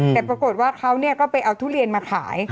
แต่ปรากฏว่าเขาก็ไปเอาทุเรียนมาขาย